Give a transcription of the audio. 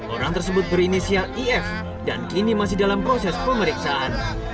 orang tersebut berinisial if dan kini masih dalam proses pemeriksaan